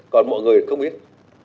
còn mọi người thì không biết